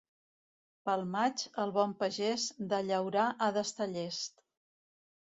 Pel maig, el bon pagès, de llaurar ha d'estar llest.